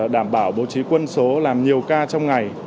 đảm bảo bố trí quân số làm nhiều ca trong ngày